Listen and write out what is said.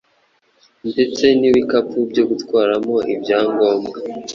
ndetse n’ibikapu byo gutwaramo ibyangombwa